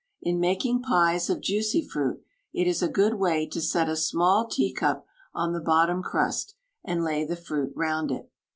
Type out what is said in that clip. In making pies of juicy fruit, it is a good way to set a small teacup on the bottom crust, and lay the fruit round it.